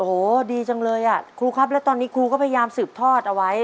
โอ้โหดีจังเลยอ่ะครูครับแล้วตอนนี้ครูก็พยายามสืบทอดเอาไว้